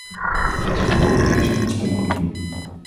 Dat is een hoofdeis in ons compromis.